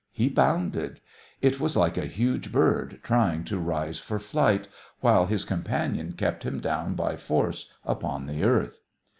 He bounded. It was like a huge bird trying to rise for flight, while his companion kept him down by force upon the earth.